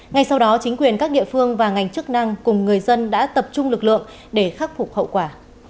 ngay sau đó chính quyền các địa phương và ngành chức năng cùng người dân đã tập trung lực lượng để khắc phục hậu quả